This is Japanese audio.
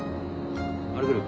歩ける？